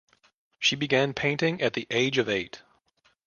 She began painting at the age of eight.